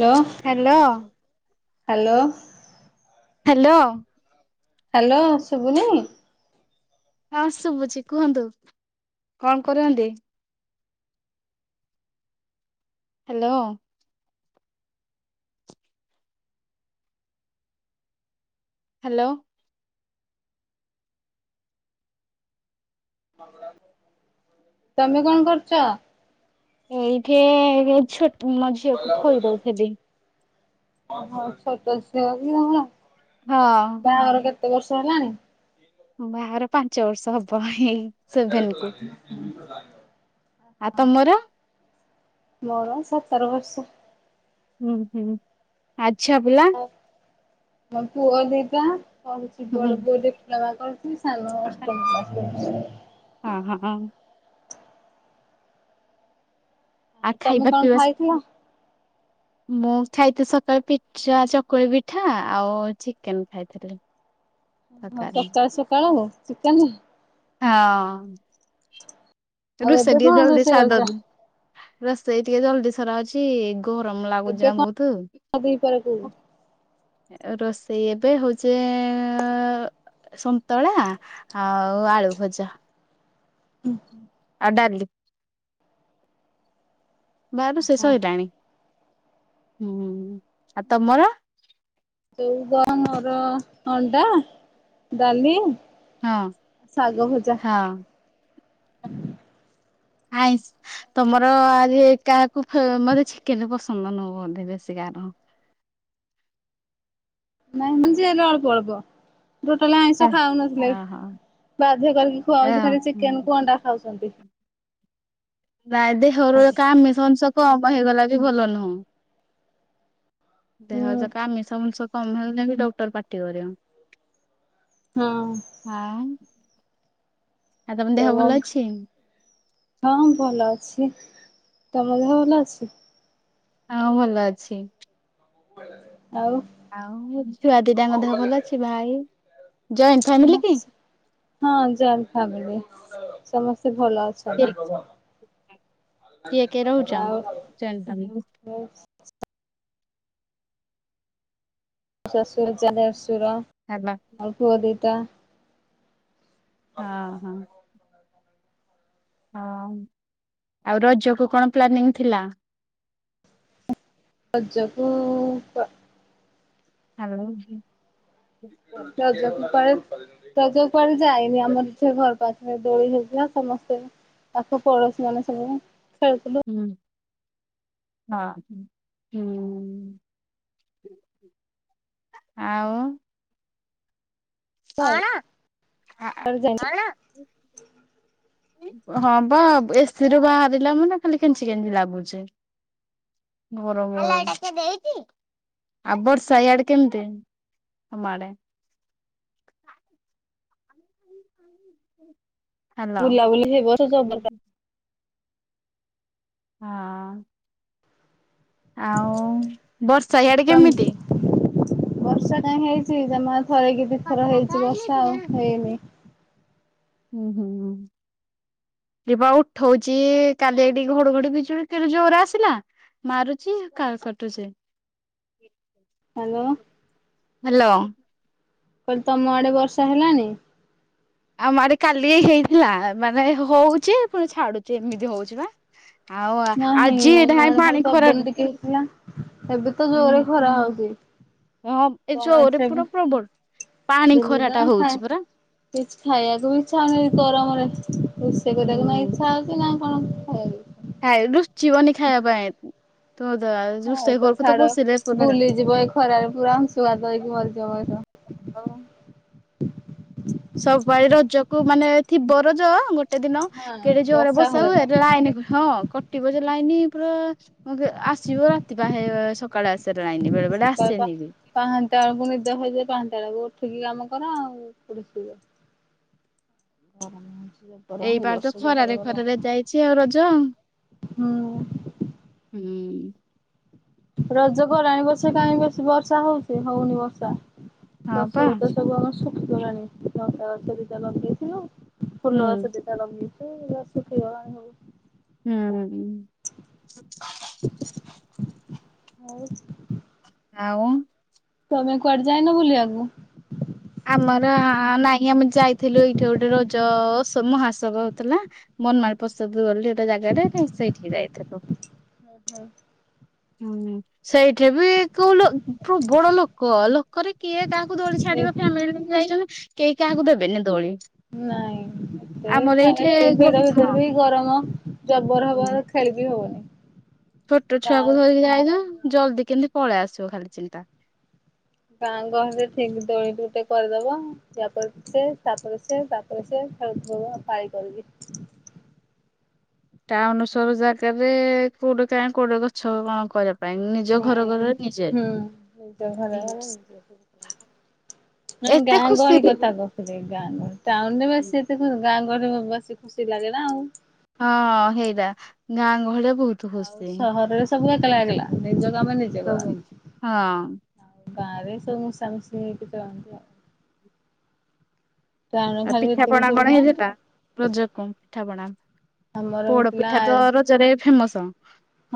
Hello hello. -Hello. Hello. Hello ଶୁବୁନି? ହଁ ଶୁବୁଚି କୁହନ୍ତୁ କଣ କରୁଚନ୍ତି? ହାଲୋ। ହାଲୋ। ତମେ କଣ କରୁଚ? ଏଇଠେ ଛୋଟ୍ ମ ଝି ଛୋଟ ଝିଅ କି ତମର? ହଁ। ବାହାଘର କେତେ ବର୍ଷ ହେଲାଣି? ବାହାଘର ପାଞ୍ଚ ବର୍ଷ ହବ ଏଇ ସେଭେନ କୁ ଆଉ ତମର? ଓହୋ। ମର ସତର ବର୍ଷ। ହୁଁ -ହୁଁ ଆଉ ଛୁଆ ପିଲା? ମୋ ପୁଅ ଦି ଟା ପଢୁଚି ହୁଁ। ବଡ ପୁଅ ଡିପ୍ଲୋମା କରୁ ସାନ [unintelligible] ହଁ- ହଁ-ହଁ। ଆଉ ତମେ ଖାଇବା କଣ ପିଇବା ଖାଇଥିଲ? ମୁଁ ଖାଇଥିଲି ସକାଳେ ପିଠା ଚକୁଳି ପିଠା ଆଉ ଚିକେନ୍ ଖାଇଥିଲି। ଓ ସକାଳେ ସକାଳୁ ସକାଳୁ ଚିକେନ୍। ହଁ। ଆଉ ରୋଷେଇ ଏବେ ଟିକେ କଣ ଜଲ୍ଦି ରୋଷେଇ କରିଛ? ସାରିଦଉଚି ରୋଷେଇ ଟିକେ ଜଲଦି ସରା ହଉଚି ଗରମ୍ ଲାଗୁଚି ଏବେ ନା କଣ ବହୁତୁ। ଦିପହରେ କୁ ରୋଷେଇ ଏବେ ହଉଚି ଏଁ ଏ- ସନ୍ତଳା ଆଉ ଆଳୁ ଭଜା। ଆଉ ଡାଲି ବାହାରୁ ହଁ। ଶେଷ ହେଲାଣି। ହୁଁ ଆଉ ତମର? ଏଇ [unintelligible] ମୋର ଅଣ୍ଡା, ଡାଲି ହଁ ଶାଗ ଭଜା। ହଁ। ଆଇ ତମର ଆଜି ଏକା ମତେ ଚିକେନ ପସନ୍ଦ ନୁହଁ ବଧେ ବେଶୀ କାହାର। ନାଇଁ ମୁଁ ସେ ହେଲେ ଅଳ୍ପ ଅଳ୍ପ ଟୋଟାଲ ଆଇଁଷ ଖାଉନଥିଲେ ଓହୋ ବାଧ୍ୟ କରିକି ଏ ଖୁଆଉଛି ଖାଲି ଚିକେନ କୁ ଅଣ୍ଡା ଖାଉଛନ୍ତି। ନାଇ ଦେହରୁ ଏକା ଆମିଷ ଅଂଶ କମ ହେଇଗଲା ବି ଭଲ ନୁହଁ। ହୁଁ ଦେହ ଯାକ ଆମିଷ ଅଂଶ କମ ହେଲେ ବି ଡକ୍ଟର ପାଟି କରିବ। ହଁ। ଆଉ। ଆଉ ତମ ଦେହ ତ ଭଲ ଅଛି? ହଁ ଭଲ ଅଛି। ତମ ଦେହ ଭଲ ଅଛି? ଆଉ ଭଲ ଅଛି। ଆଉ ଆଉ ଛୁଆ ଦିଟାଙ୍କ ଦେହ ଭଲ ଅଛି ଭାଇ ଜଏଣ୍ଟ ଫାମିଲି କି? ହଁ ଜଏଣ୍ଟ ଫାମିଲି ସମସ୍ତେ ଭଲ ଅଛୁ। କିଏ କିଏ କିଏ ରହୁଛ? ଜଏଣ୍ଟ ଫ୍ୟାମିଲି [unintelligible] ଶଶୁର [inaudible] ଅସୁର। ହାଲା। ପୁଅ ଦିଇଟା। ହଁ ହଁ। ହଁ ଆଉ ରଜ କୁ କଣ ପ୍ଲାନିଂ ଥିଲା? ରଜ କୁଉ କୁଆ ହ୍ୟାଲୋ। ରଜ କୁ କୁଆଡ଼େ ରଜ କୁ କୁଆଡ଼େ ଯାଇନି ଆମର ତ ଘର ପାଖରେ ଦୋଳି ହେଇଥିଲା ସମସ୍ତେ ପାଖ ପଡୋଶୀ ମାନେ ସବୁ ଖେଳୁଥିଲୁ। ହୁଁ। ହଁ ହୁଁ। ଆଉ ଆଉ କଣ କୁଆଡେ ଯାଇନି କଣ? ହଁ ବା ଏସିରୁୁ ବାହାରିଲା ମନେ ଖାଲି କେଞ୍ଚି କାଞ୍ଚି ଲାଗୁଚି। ଗରମ ହଉଛି। ଆଉ ବର୍ଷା ଇଆଡ କେମିତି ତମ ଆଡେ? ହ୍ୟାଲୋ ବୁଲାବୁଲି ହେ ବର୍ଷ ଜବର୍ କ ହଁ। ଆଉ ବର୍ଷା ହିଆଡେ କେମିତି? ବର୍ଷା କାଇଁ ହେଇଛି ଜମା ଥରେ କିି ଦଥର ହେଇଛି ବର୍ଷା ଆଉ ହେଇନି। ଉ ହୁଁ ହୁଁ। ଏଇପା ଉଠଉଚି କାଲି ଏଠି ଘଡଘଡି ବିଜୁଳି କେଡ଼େ ଜୋରରେ ଆସିଲା। ମାରୁଛି କା କଟୁଛି। ହ୍ୟାଲୋ। ହ୍ୟାଲୋ। କହିଲି ତମ ଆଡେ ବର୍ଷା ହେଲାଣି? ଆମ ଆଡେ କାଲି ହେଇଥିଲା ମାନେ ହଉଛି ପୁଣି ଛାଡୁଛି ଏମିତି ହଉଛି ବା। ଆଉ ଆଜି ଏଇଟା ହାଇ ପାଣି ଖରାରେ। କି ହେଲା। ହୁଁ ହୁଁ ଏ କଣ ଯରେ ଏଥିରେ ପୁରା ପ୍ରବଳ। ପାଣି ବୁଲିଲ ନା ଖରାଟା ଖାଇ ହଉଛି ପରା। କିଛି ଖାଇବାକୁ ବି ଇଚ୍ଛା ହଉନି ଗରମରେ ରୋଷେଇ କରିବାକୁ ନା ହୁଁ ଇଚ୍ଛା ହଉଛି ନା କଣ? ଖାଇବାକୁ ଖାଇ ରୁଚିବନି ଖାଇବା ପାଇଁ। [inaudible] ଆଉ ତ ଘରକୁ ଛାଡ ପଶିଲେ ପୁରା ବୁଲିଯିବ ଏଇ ଖରାରେ ପୁରା ଅଂଶୁଘାତ ହେଇକି ମରିଯିବ ମଣିଷ। [inaudible] ସବୁ ପାଳି ରଜକୁ ମାନେ ଥିବ ରଜ ଗୋଟେ ଦିନ କେଡେ ଜୋରେ ବର୍ଷା ହୁଏ। ଲାଇନ ହଁ କଟିବ ଯେ ଲାଇନ ପୁରା ଆସିବ ରାତି ବା ସ ସକାଳ ଆସେ ଲାଇନ ବେଳେ ବଳେ ଆସନି ବି। ପାହାନ୍ତିଆ ବେଳକୁ ନିଦ ହୁଏ। ଯେ ପାହାନ୍ତିଆ ବେଳକୁ ଉଠିକି କାମ କର। ଆଉ କୋଉଠି ଶୋଇବ। [unintelligible] ଏଇ ପାଳି ତ ବର୍ଷ ଜବର ଖରାରେ ଗରମ। ଖରାରେ ଯାଇଛି ଆଉ ରଜ। ହୁଁ ହୁଁ। ରଜ ଗଲାଣି ବସେ କାଇଁ ବେଶି ବର୍ଷା ହଉଛି ହଉନି ବର୍ଷା। ହଁ ଗଛ ପା ପତ୍ର ସବୁ ଆମର ଶୁଖିଗଲାଣି। ଲଙ୍କା ଗଛ ଦିଇଟା ଲଗେଇଥିଲୁ ଫୁଲ ହୁଁ ଗଛ ଦିଅ ଲଗେଇଛୁ ଏରା ଶୁଖିଗଲାଣି ସବୁ। ହୁଁ। ଆଉ ଆଉ ତମେ କୁଆଡେ ଯାଇନ ବୁଲିବାକୁ? ଆମର ଆ ନାଇଁ ଆମେ ଯାଇଥିଲୁ ଏଇଠି ଗୋଟେ ରଜ ମହାତ୍ସବ ହଉଥିଲା। ମନାର ପ୍ରସାଦ ବୋଲି ଗୋଟା ଜାଗାଟେ ସେଇଠିକି ଯାଇଥିଲୁ। [unintelligible] ହୁଁ ସେଇଠି ବି କୋଉ ପ୍ରବଳ ଲୋକ ଲୋ କରେ କିଏ କାହାକୁ ଦୋଳି ଏ ଛାଡିବ ଫ୍ୟାମିଲି ଯାଇଛନ୍ତି କେହି କାହାକୁ ଦେବେନି ଦୋଳି। ନାଇଁ ଏତେ ଆମର ଏଇଠି ଏତେ ଗୋ ଭିଡ ହଁ ଭିତରେ ବି ଗରମ ଜବର ହବାର ଖେଳି ବି ଆଉ। ଛୋଟ ଛୁଆକୁ ଧରିକି ଯାଇଛ। ଜଲ୍ଦି କେମିତି ପଳେଇ ଆସିବ ଖାଲି ଚିନ୍ତା। ଗାଁ ଗହଳିରେ ଠିକ ଦୋଳି ଗୋଟେ କରିଦବ। ୟା ପରେ ସିଏ ତାପରେ ସେ ତା ସେ ଖେଳୁଥିବ ଆଉ ପାଳି କରିକି। ଟାଉନ ସହର ଜାଗାରେ କୋଉଠି କା କୋଉଠି ଗଛ କଣ କରି ନାଇଁ ହୁଁ ନିଜ ଘର ଆଗରେ ନିଜେ ନାଇଁ ଏତେ ଗାଁ ଖୁସି ଗହଳି ବି କଥା କହ। ଗାଁ ଗହଳି ଟାଉନରେ ବେଶି ଏତେ ଗାଁ ଗହଳିରେ ବେଶି ଖୁସି ଲାଗେ ନା ଆଉ। ହଁ ହେଇଟା ଗାଁ ଗହଳିଆ ବହୁତ। ଆଉ ଖୁସି ସହରରେ ସବୁ ଏକଲା ଏକଲା। ନିଜ କାମ ନିଜେ ହଁ କରନ୍ତି। ଆଉ ଆଉ ଗାଁରେ ସେ ମିଶା ମିଶି ହେଇକି ଚଳନ୍ତି ଆଉ। ଟାଉନ ଆଉ ଖାଲି ଏତିକି ପିଠାପଣା କଣ ସୁବିଧା ହେଇଥିଲା? ରଜକୁ ପିଠା ପଣା ଆମର ହେଇଥିଲା ପୋଡପିଠା ତ ରଜରେ ଫେମସ।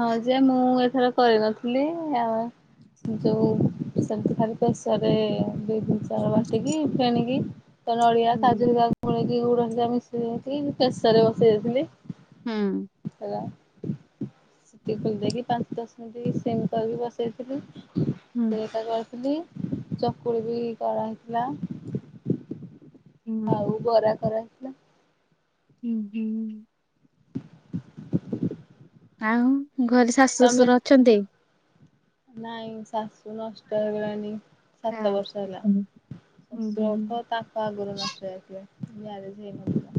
ହଁ ଯେ ମୁଁ ଏଥର କରିନଥିଲି ଆଉ ଯୋଉ ସେମିତି ଖାଲି ପ୍ରେସରରେ ଦେଇ ଦେଇଛି। ବାଟିକି ଫେଣିକି ତା ନଡ଼ିଆ ହୁଁ କାଜୁ ହେଡ଼ିକା ଗୋଳିକି ଗୁଡ଼ ହେରିକା ମିଶେଇ ଦେଇଥିଲି। ପ୍ରେସରରେ ବସେଇ ଦେଇଥିଲି। ହୁଁ। ହେଲା। ସେତିକି ବୁଲିଦେଇକି ପାଞ୍ଚ ଦଶ ମିନିଟ୍ ସିମ କରିକି ବସେଇ ଦେଇଥିଲି। ହୁଁ ସେଟା କରିଥିଲି। ଚକୁଳି ବି କରା ହେଇଥିଲା। ହୁଁ ଆଉ ବରା କରା ହେଇଥିଲା। ହୁଁ ହୁଁ। ଆଉ ଘରେ ଶାଶୁ ତମେ ଶଶୁର ଅଛନ୍ତି? ନାଇଁ ଶାଶୁ ନଷ୍ଟ ହେଇଗଲାନି। ହଁ ସାତ ବର୍ଷ ହେଲା ହୁଁ ହୁଁ ଶଶୁର ତ ତା ତା ଆଗରୁ ନଷ୍ଟ ହେଇ ଯାଇଥିଲେ ମ୍ୟାରେଜ ହେଇନଥିଲା।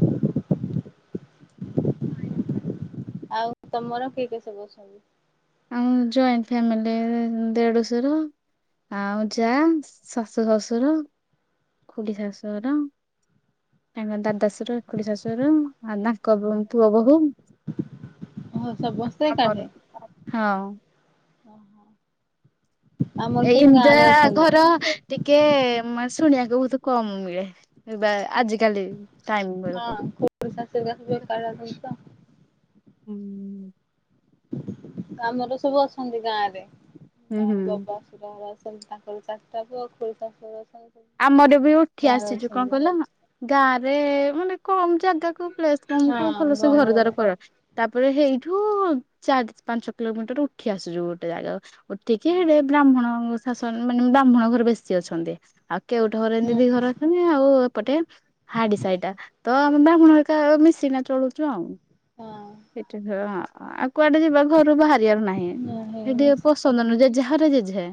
ଆଉ ତମର କିଏ କିଏ ସବୁ ଅଛନ୍ତି? ଆମ ଜଏଣ୍ଟ ଫ୍ୟାମିଲିରେ ଦେଢଶୁର ଆଉ ଯା ଶାଶୁ ଶଶୁର ଖୁଡି ଶାଶୁହର। ତାଙ୍କ ଦାଦ ଶାଶୁର ଖୁଡି ଶାଶୁର ଆଉ ତାଙ୍କ ପୁଅ ବୋହୂ। ଓହୋ ସମସ୍ତେ ଆମର ହଁ। ଓହୋ। ଏଇ ଏମତା ଘର ଟିକେ ମ ଶୁଣିବାକୁ ବହୁତ କମ ମିଳେ ବା ଆଜିକାଲି ଟାଇମ ହଁ ବେଳକୁ ଖୁଡୀ ଶାଶୁ ହେକା ସବୁ ଏକାଠି ଅଛନ୍ତି ତ ହୁଁ। କାମରେ ସବୁ ଆସନ୍ତି ଗାଁରେ [inaudible] ହୁଁ ହୁଁ ଗାଁ ରେ ଆସନ୍ତି ତାଙ୍କର ଚାରଟା ପୁଅ ଖୁଡତା ସୁର ଅଛନ୍ତି। ସବୁ। ଆମର ବି ଉଠି ଗାଁରେ ଆସିଛୁ କଣ ଅଛନ୍ତି କହିଲ ଗାଁରେ ମାନେ କମ ଜା ଗାକୁ ପ୍ଲେସକମ କୁ ହଁ ଭଲସେ ଗହଳି ଘର ଦ୍ୱାର ଜାଗା। କରା ତାପରେ ହେଇଠୁ ଚାରି ପାଞ୍ଚ କିଲୋମିଟର ଉଠି ଆସିଛୁ ଗୋଟେ ଯାଗାକୁ ଉଠିକି ହେଲେ ହୁଁ ବ୍ରାହ୍ମଣ ଶାସନ ମାନେ ବ୍ରାହ୍ମଣ ଘର ବେଶୀ ଅଛନ୍ତି। ଆଉ କେଉଟ ଘର ହେନ୍ତୀ ଦି ହୁଁ ଘର ମାନେ ଆଉ ଏପଟେ ହାଡି ସାଇଟା ତ ଆମେ ବ୍ରାହ୍ମଣ ହେରିକା ମିଶିକିନା ଚଳୁଛୁ ଆଉ ହଁ। ଏଠି ଘର ଆ ଆଉ କୁଆଡେ ଯିବା ଘରୁ ବାହାରିଆର ନାହିଁ ହଁ ସେଠି ମିଶି ପୋସ ସନ୍ଦନ ଅନୁଯାଇ ଯାହାର ଯେଝା।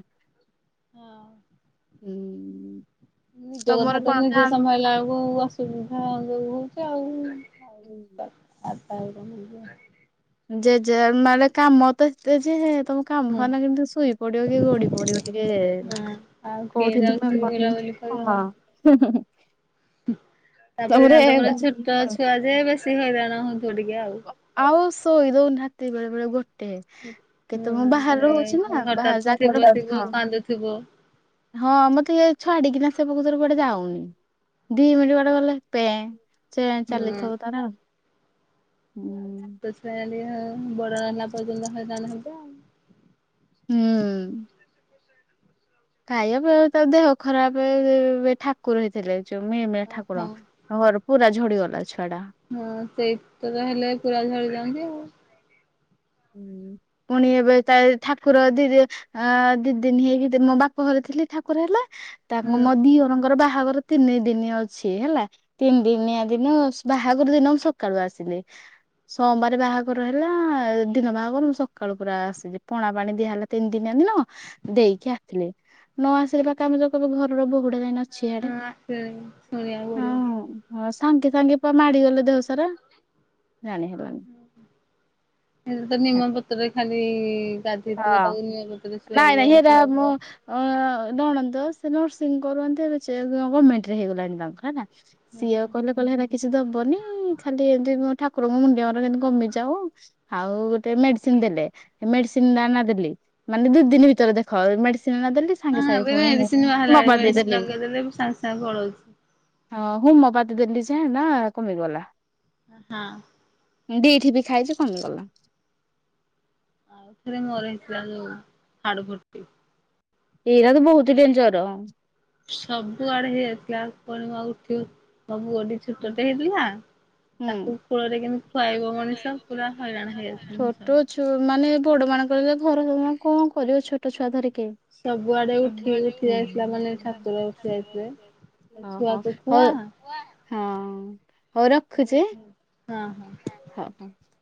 ହଁ। ହୁଁ। ନିଜ କଥା ତମର ତ କଣ ନିଜେ କାମ ସମ୍ଭାଳିଲା ବେଳକୁ ଅସୁବିଧା ଯୋଉ ହଉଛି ଆଉ [inaudible] ଯେଜା କାମ ତ ଏତେ ଯେ ତମ କାମ ହୁଁ ସରଲା କେମିତି ଶୋଇ ପଡିବ କି ଗଡି ପଡିବ ଟିକେ ହଁ ଆଉ କିଏ କୋଉଠି ତୁମେ ଯାଉଛି ବୁଲାବୁଲି ପଢଉଚ ହୁଁ ତାପରେ ନା ତମର ଛୋଟ ଛୁଆ ଯେ ବେଶୀ ହଇରାଣ ହଉଥିବ ଟିକେ ଆଉ ଆଉ ଶୋଇ ଦଉନାହାତି ବେଳେ ବେଳେ ଗୋ ଟେ କେତେ ମୁଁ ହୁଁ ବାହାରେ ଥରେ ରହୁଛି ନା [inaudible] ହଁ। ହେବ। ହଁ ମତେ ଇଏ ଛାଡିକିନା ସେ ପ୍ରକୃତରେ କୁଆଡେ ଯାଉନି। ଦି ମିନିଟ କୁଆଡେ ଗଲେ ପେଏଁ ଚେଏଁ ହୁଁ। ଚାଲିଥିବ ତାର। ହୁଁ ଆଉ ଛୋଟ ଛୁଆ ହେଲେ ଆଉ ବଡ ହେଲା ପର୍ଯ୍ୟନ୍ତ ହଇରାଣ ହେବେ ଆଉ ହୁଁ। ଖାଇବା ପେୟ ତା ଦେହ ଖରାପ ଠାକୁର ହେଇଥିଲେ ଯୋଉ ମିଳିମିଳା ଠାକୁର। ଓହୋ ଘରକୁ ପୁରା ଝଡିଗଲା ଛୁଆଟା। ହଁ ସେଇତ ତ ହେଲେ ପୁରା ଝଡି ଯାଆନ୍ତି ଆଉ ହୁଁ ପୁଣି ଏବେ ତା ଠାକୁର ଧୀରେ ଆ ଦିଦିନି ହେଇକି ମୋ ବାପ ଘରେ ଥିଲି ଠାକୁର ହେଲା। ହୁଁ ତାଙ୍କ ମୋ ଦିଅରଙ୍କର ବାହାଘର ତିନି ଦିନି ଅଛି ହେଲା ତିନି ଦିନିଆ ଦିନ ବାହାଘର ଦିନ ମୁଁ ସକାଳୁ ଆସିଲି ସମବାରେ ବାହାଘର ହେଲା ଦିନ ବାହାହବ ମୁଁ ସକାଳୁ ପୁରା ଆସିଲି ପଣା ପାଣି ଦିଆହେଲା ତିନି ଦିନିଆ ଦିନ ଦେଇକି ଆସିଲି। ନ ଆସିବା କାମରେ କହିବେ ଘରର ବୋହୂଟା ଯାଇନା ଅଛି ଇଆଡେ ହଁ ଶୁଣିବାକୁ ପଡିବ। ହଁ। ହଁ ସାଙ୍ଗେ ସାଙ୍ଗେ ପା ମାଡିଗଲେ ଦେହସାରା ଜାଣିହବ ସେ ତ ନିମପତ୍ରରେ ଖାଲି ଗାଧେଇଥିବଟ ତାକୁ ନିଆଁ ପଟରେ ଶୁଆଇବ ତା ମୁଁ ଅ ନଣନ୍ଦ ସେ ନର୍ସିଂ କରନ୍ତି ଏବେ ଯେ ଗମେଣ୍ଟରେ ହେଇଗଲାଣି ତାଙ୍କର ହେଲା। ସିଏ ଆଉ କହିଲେ କହିଲେ ହେରା କିଛି ଦବନି ଖାଲି ଏମତି ଠାକୁରଙ୍କ ମୁଣ୍ଡିଆ ମାର କେମିତି କମିଯାଉ। ଆଉ ଗୋଟେ ମେଡିସିନ ଦେଲେ ହେ ମେଡିସ ତିନଟା ଆଣିକିନା ଦେଲି ମାନେ ଦି ଦିନି ଭିତରେ ଦେଖ ଏଇ ମେଡିସିନଟା ଦେଲି। ହଁ ସାଙ୍ଗେ ସାଙ୍ଗେ ଏବେ ଫୁଣି ମେଡିସିନ ବାହାରିଲାଣି ହେମୋପାତି ମେଡିସିନ ଦେଲି। ଲଗେଇଦେଲେ ସାଙ୍ଗେ ସାଙ୍ଗେ ପଳଉଛି। ହଁ ହୁମପାତି ଦେଲି ଯେ ହେଟା କମିଗଲା। ହଁ। ଦି ଠିପି ଖାଇଚି କମିଗଲା। ଆଉ ଥରେ ମୋର ହେଇଥିଲା ଯୋଉ ହାଡଫୁଟି। ଏଇରାକ ବହୁତ ଡେଞ୍ଜର। ସବୁଆଡେ ହେଇଯାଇଥିଲା ପୁଣି ମୁଁ ଆଉ ଉଠି ସବୁ [unintelligible] ଛୋଟ ଟେ ହେଇଥିଲା ହୁଁ ତାକୁ କୂଳରେ କେମତି ଖୁଆଇବ? ମଣିଷ ପୁରା ହଇରାଣ ହେଇଯାଇଥିଲି ଛୋଟ ସେ ଛୁ ସମୟରେ। ଚୁ ମାନେ ବଡମାନଙ୍କର ଯଦି ଘର [unintelligible] କଣ କରିବ ଛୋଟ ଛୁଆ ଧରିକି। ସବୁଆଡେ ଉଠି ସବୁଆଡେ ଉଠି ଯାଇଥିଲା ଉଠିକି ମାନେ ଯାଇଥିଲା ମାନେ ଠାକୁର ଉଠି ଯାଇଥିଲେ ଛାତ ଓହୋ ଛୁଆକୁ ହୁଆଁ ହଉ ହା ହଁ। ହଉ ରଖୁଛି ହଁ ହଁ। [unintelligible]